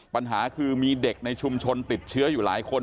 ปัญหาคือมีเด็กในชุมชนติดเชื้ออยู่หลายคน